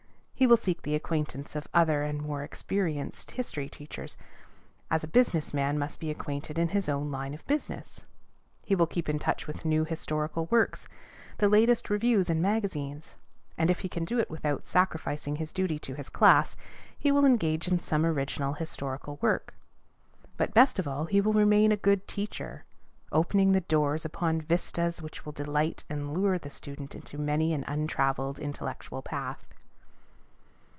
He will seek the acquaintance of other and more experienced history teachers, as a business man must be acquainted in his own line of business; he will keep in touch with new historical works, the latest reviews and magazines; and, if he can do it without sacrificing his duty to his class, he will engage in some original historical work. But best of all, he will remain a good teacher, opening the doors upon vistas which will delight and lure the student into many an untraveled intellectual path.